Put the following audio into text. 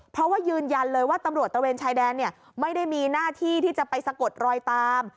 เพราะว่ายืนยันเลยว่าตำรวจตะเวนชายแดนไม่ได้มีหน้าที่ที่จะไปสะกดรอยตาม